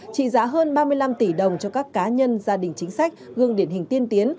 trị giá hơn ba mươi năm tỷ đồng cho các cá nhân gia đình chính sách gương điển hình tiên tiến